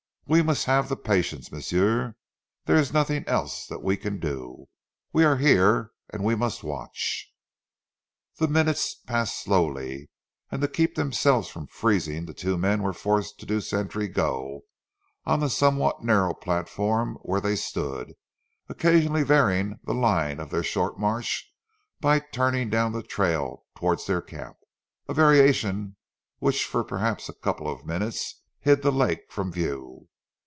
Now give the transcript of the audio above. We must haf zee patience, m'sieu. Dere is noding else dat we can do. We are here an' we must watch." The minutes passed slowly, and to keep themselves from freezing the two men were forced to do sentry go on the somewhat narrow platform where they stood, occasionally varying the line of their short march by turning down the trail towards their camp, a variation which for perhaps a couple of minutes hid the lake from view.